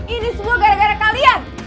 ini semua gara gara kalian